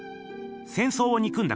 戦争をにくんだ